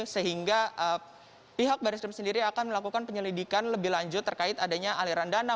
sehingga pihak baris krim sendiri akan melakukan penyelidikan lebih lanjut terkait adanya aliran dana